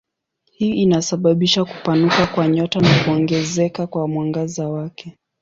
Hii inasababisha kupanuka kwa nyota na kuongezeka kwa mwangaza wake.